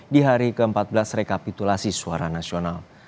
di hari ke empat belas rekapitulasi suara nasional